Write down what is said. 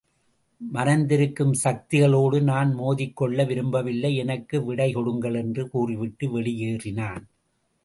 மறைந்திருக்கும் சக்திகளோடு நான் மோதிக்கொள்ள விரும்பவில்லை எனக்கு விடை கொடுங்கள் என்று கூறிவிட்டு வெளியேறினான்.